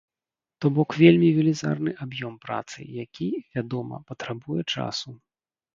То бок вельмі велізарны аб'ём працы, які, вядома, патрабуе часу.